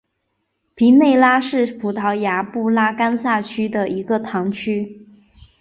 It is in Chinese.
皮内拉是葡萄牙布拉干萨区的一个堂区。